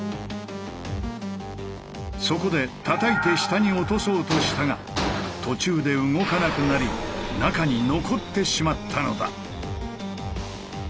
そこでたたいて下に落とそうとしたが途中で動かなくなり中に残ってしまったのだ。